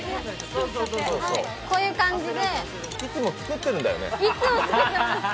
こういう感じでいつも作っています。